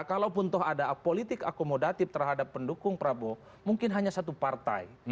kalaupun toh ada politik akomodatif terhadap pendukung prabowo mungkin hanya satu partai